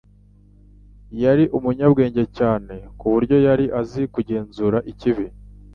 Yari umunyabwenge cyane ku buryo yari azi kugenzura ikibi,